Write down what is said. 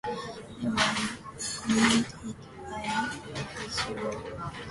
They were commanded by Efigenio Ameijeiras.